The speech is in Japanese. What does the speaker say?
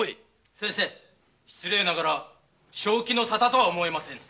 先生失礼ながら正気のさたとも思えませぬ。